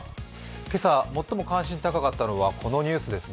今朝、最も関心が高かったのはこのニュースですね。